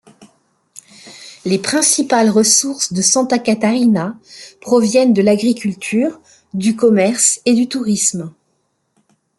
Les principales ressources de Santa Catarina proviennent de l'agriculture, du commerce et du tourisme.